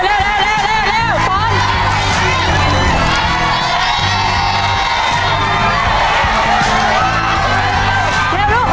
เวลาเดินไปเรื่อยเรื่อยนะครับตอนนี้นะคะ